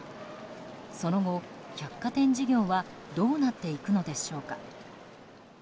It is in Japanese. その後、百貨店事業はどうなっていくのでしょうか。